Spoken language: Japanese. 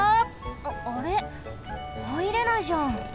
ああれ？はいれないじゃん！